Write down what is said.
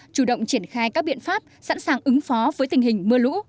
chủ động triển khai các biện pháp sẵn sàng ứng phó với tình hình mưa lũ